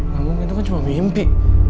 gak mungkin itu kan cuma mimpi